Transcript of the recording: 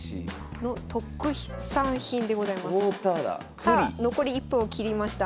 さあ残り１分を切りました。